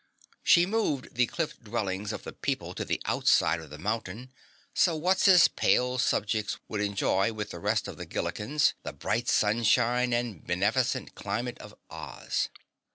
She moved the cliff dwellings of the people to the outside of the mountain so Wutz's pale subjects could enjoy with the rest of the Gillikins, the bright sunshine and beneficent climate of Oz.